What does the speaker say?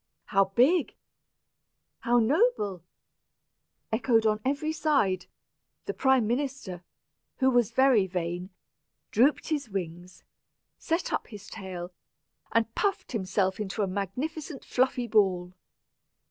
"How big!" "How noble!" echoed on every side; and the prime minister, who was very vain, drooped his wings, set up his tail, and puffed himself into a magnificent fluffy ball.